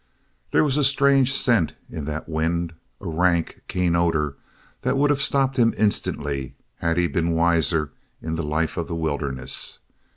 There was a strange scent in that wind, a rank, keen odor that would have stopped him instantly had he been wiser in the life of the wilderness.